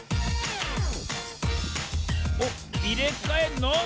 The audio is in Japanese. おっいれかえんの？